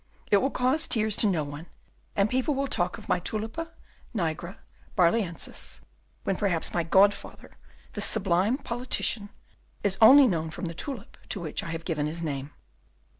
It will cause tears to no one. And people will talk of my Tulipa nigra Barlœnsis when perhaps my godfather, this sublime politician, is only known from the tulip to which I have given his name.